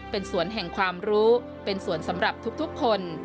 เป็นสวนแห่งความรู้เป็นส่วนสำหรับทุกคน